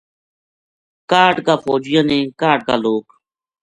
کاہڈ کا فوجیاں نے کاہڈ کا لوک